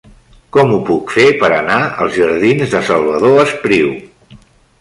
Com ho puc fer per anar als jardins de Salvador Espriu?